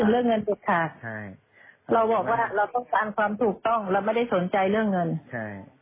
เราบอกว่าเราต้องการความถูกต้องเราไม่ได้สนใจเรื่องเงิน